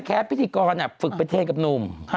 พิธีกรฝึกประเทศกับหนุ่ม